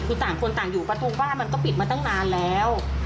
คือต่างคนต่างอยู่ประตูบ้านมันก็ปิดมาตั้งนานแล้ว